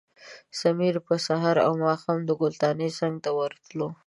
سمیر به سهار او ماښام د ګلدانۍ څنګ ته ورتلو.